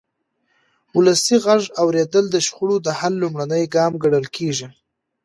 ولسي غږ اورېدل د شخړو د حل لومړنی ګام ګڼل کېږي